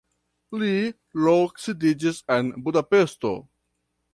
Li loksidiĝis en Budapest.